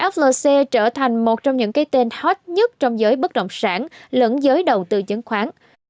flc trở thành một trong những cái tên hot nhất trong giới bất động sản lẫn giới đầu tư chứng khoán